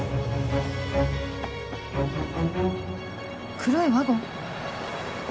黒いワゴン？